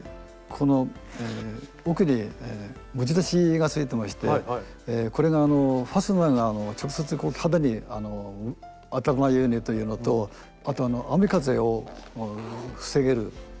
この奥に持ち出しがついてましてこれがファスナーが直接肌に当たらないようにというのとあと雨風を防げるというのがあります。